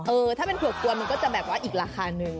เออถ้าเป็นเถืนมันก็จะแบบว่าอีกราคาหนึ่ง